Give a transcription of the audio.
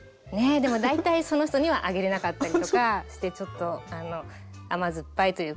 でも大体その人にはあげれなかったりとかしてちょっと甘酸っぱいというか苦い思い出はあります。